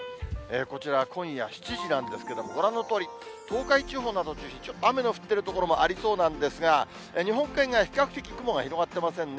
こちら、今夜７時なんですけど、ご覧のとおり、東海地方などを中心に、ちょっと雨の降っている所もありそうなんですが、日本海側、比較的雲が広がってませんね。